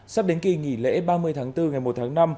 sắp đến kỳ nghỉ lễ ba mươi tháng bốn ngày một tháng năm